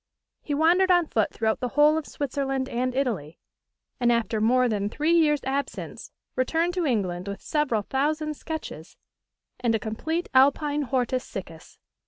He wandered on foot throughout the whole of Switzerland and Italy; and, after more than three years' absence, returned to England with several thousand sketches, and a complete Alpine Hortus Siccus.